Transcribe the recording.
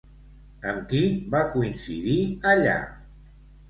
Amb qui va coincidir allà?